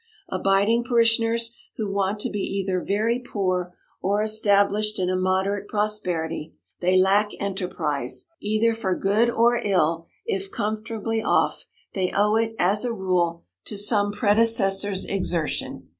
Abiding parishioners are wont to be either very poor or established in a moderate prosperity; they lack enterprise, either for good or ill: if comfortably off, they owe it, as a rule, to some predecessor's exertion.